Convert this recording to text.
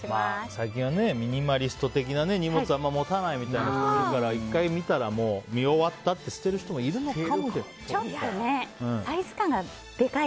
最近はミニマリスト的な荷物あんまり持たないみたいな人もいるから１回見たら見終わったってちょっとね